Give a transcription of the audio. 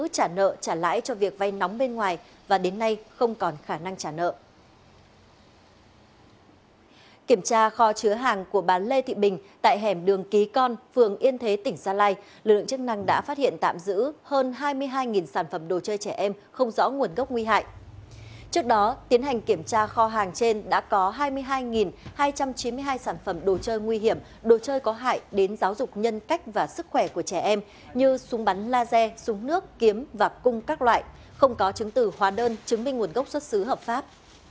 trước đó tiến hành kiểm tra kho hàng trên đã có hai mươi hai hai trăm chín mươi hai sản phẩm đồ chơi nguy hiểm đồ chơi có hại đến giáo dục nhân cách và sức khỏe của trẻ em như súng bắn laser súng nước kiếm và cung các loại không có chứng từ hóa đơn chứng minh nguồn gốc xuất xứ hợp pháp